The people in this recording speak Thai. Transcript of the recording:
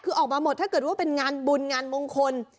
คือออกมาหมดถ้าเกิดว่าเป็นงานบุญงานมงคล